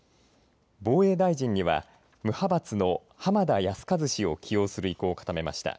防衛大臣には無派閥の浜田靖一氏を起用する意向を固めました。